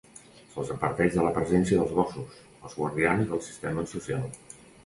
Se'ls adverteix de la presència dels gossos, els guardians del sistema social.